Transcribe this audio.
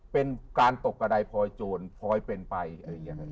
เป็นการตกกระดายพลอยโจรพลอยเป็นไปอะไรอย่างนี้ครับ